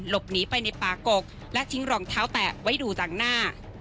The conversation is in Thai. หลบหนีไปในปากกกและทิ้งรองเท้าแตะไว้ดูต่างหน้า